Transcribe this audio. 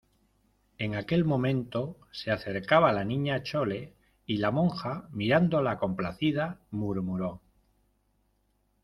en aquel momento se acercaba la Niña Chole, y la monja , mirándola complacida , murmuró: